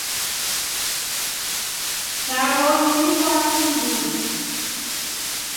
Chafronyi ni w'asi mduhu.